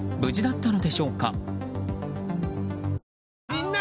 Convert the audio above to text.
みんな！